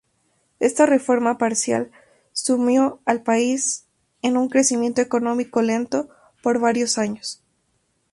Esta reforma parcial sumió al país en un crecimiento económico lento por varios años.